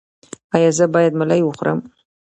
ایا زه باید ملی وخورم؟